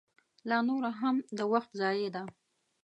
لا نوره هم د وخت ضایع ده.